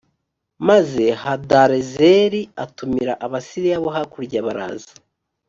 maze hadarezeri atumira abasiriya bo hakurya bazaza